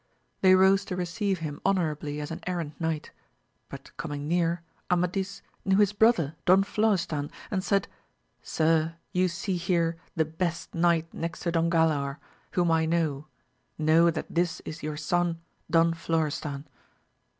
They rose to receive him honourably as an errant knight, but coming near Amadis knew his brother Don Florestan, and said, Sir, you see here the best knight next to Don Galaor, whom I know, know that this is your son Don Flo restan.